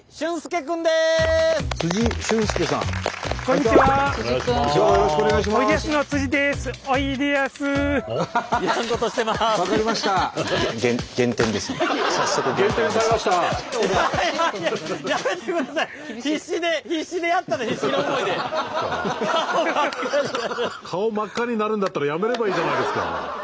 顔真っ赤になるんだったらやめればいいじゃないですか。